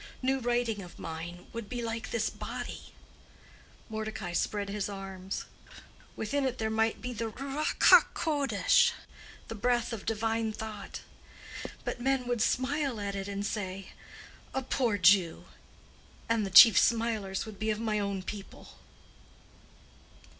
New writing of mine would be like this body"—Mordecai spread his arms—"within it there might be the Ruach ha kodesh—the breath of divine thought—but, men would smile at it and say, 'A poor Jew!' and the chief smilers would be of my own people."